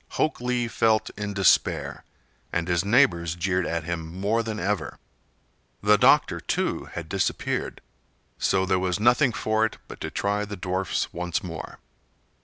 Hok Lee felt in despair, and his neighbors jeered at him more than ever. The doctor, too, had disappeared, so there was nothing for it but to try the dwarfs once more.